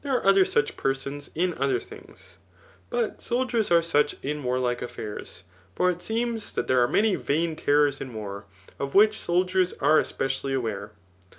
Andindeedytlieie ace other such persons in other tfamgs ; but soldiers axe such in warlike affairs. For it seems d^ there aie many vain terrors in war,^ of which soldiers are espe cially aware.